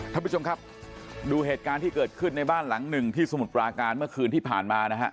ท่านผู้ชมครับดูเหตุการณ์ที่เกิดขึ้นในบ้านหลังหนึ่งที่สมุทรปราการเมื่อคืนที่ผ่านมานะฮะ